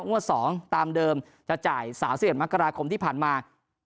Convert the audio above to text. งวด๒ตามเดิมจะจ่าย๓๑มกราคมที่ผ่านมา